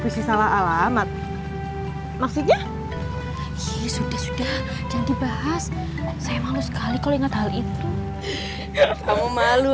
kasih salah alamat maksudnya sudah sudah dan dibahas saya malu sekali kalau ingat hal itu kamu malu